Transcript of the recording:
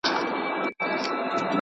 لکه بَبو